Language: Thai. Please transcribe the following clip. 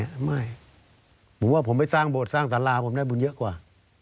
ไม่ผมว่าผมไปสร้างโบสถสร้างสาราผมได้บุญเยอะกว่า